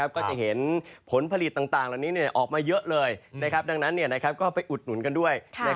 ก็จะเห็นผลผลิตต่างเหล่านี้ออกมาเยอะเลยดังนั้นก็ไปอุดหนุนกันด้วย